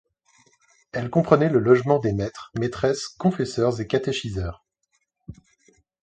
Elles comprenaient le logement des maîtres, maîtresses, confesseurs et catéchiseurs.